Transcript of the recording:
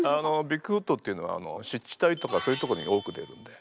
ビッグフットっていうのは湿地帯とかそういうとこに多く出るんで。